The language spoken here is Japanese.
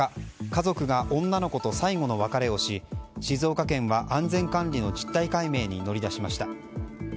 家族が女の子と最後の別れをし静岡県は安全管理の実態解明に乗り出しました。